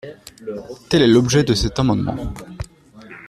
Tel est l’objet de cet amendement.